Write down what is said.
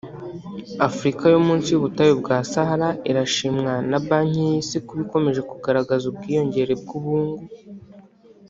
Afurika yo munsi y’ubutayu bwa Sahara irashimwa na banki y’isi kuba ikomeje kugaragaza ubwiyongere bw’ubungu